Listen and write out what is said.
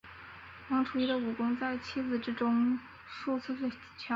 王处一的武功在七子之中数次强。